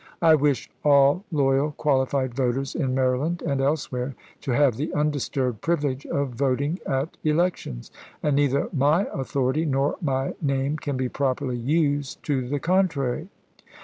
I wish all loyal qualified voters in Maryland and elsewhere to have the undisturbed privilege of vot ing at elections ; and neither my authority nor my tJ'Wwann. name can be properly used to the contrary."